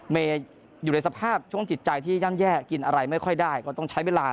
เมย์อยู่ในสภาพช่วงจิตใจที่ย่ำแย่กินอะไรไม่ค่อยได้ก็ต้องใช้เวลา